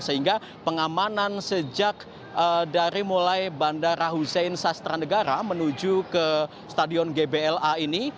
sehingga pengamanan sejak dari mulai bandara hussein sastra negara menuju ke stadion gbla ini